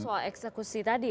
soal eksekusi tadi ya